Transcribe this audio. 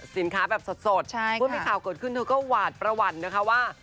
สินค้าแบบสดพูดไม่ข่าวเกิดขึ้นเธอก็หวาดประวันนะคะว่า